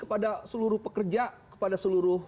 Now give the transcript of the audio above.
kepada seluruh pekerja kepada seluruh